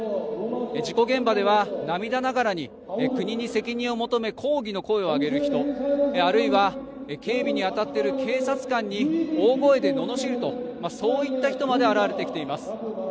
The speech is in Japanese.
事故現場では涙ながらに国に責任を求め抗議の声を上げる人あるいは警備に当たっている警察官に大声でののしるとそういった人まで現れてきています。